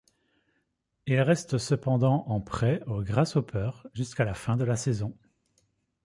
Il reste cependant en prêt au Grasshopper jusqu'à la fin de la saison.